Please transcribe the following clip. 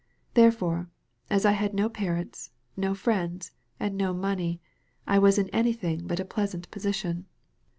Therefore, as I had no parents, no friends, and no money, I was in anything but a pleasant position."